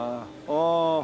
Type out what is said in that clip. ああ！